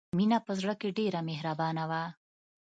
مینه په زړه کې ډېره مهربانه وه